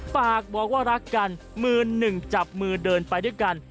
ปากบอกว่ารักกันมือหนึ่งจับมือเดินไปด้วยกัน